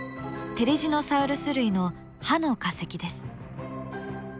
テリジノサウルス類の歯の化石です。